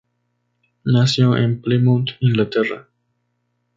Nació en Plymouth, Inglaterra.